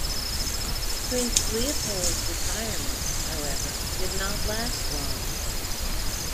Prince Leopold's retirement, however, did not last long.